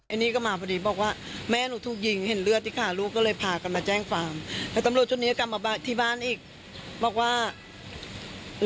เออมาขนบ้านเราไม่มีหมาอย่างวิการ